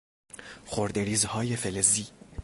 خرده ریزهای فلزی